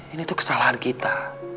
ini tuh kesalahan kita